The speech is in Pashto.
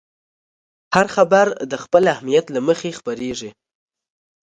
هر خبر د خپل اهمیت له مخې خپرېږي.